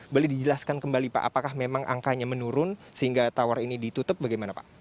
boleh dijelaskan kembali pak apakah memang angkanya menurun sehingga tower ini ditutup bagaimana pak